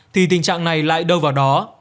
thì tình trạng này lại đâu vào đó